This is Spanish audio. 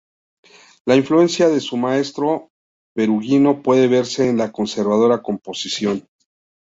La influencia de su maestro Perugino puede verse en la conservadora composición.